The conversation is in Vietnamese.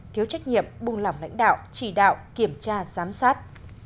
thiếu trách nhiệm buông lỏng lãnh đạo chỉ đạo kiểm tra giám sát